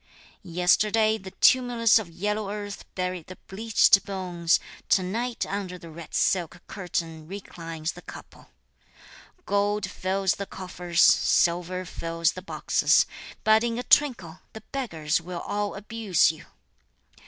Yesterday the tumulus of yellow earth buried the bleached bones, To night under the red silk curtain reclines the couple! Gold fills the coffers, silver fills the boxes, But in a twinkle, the beggars will all abuse you!